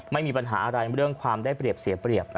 ไม่มีปัญหาอะไรเรื่องความได้เปรียบเสียเปรียบ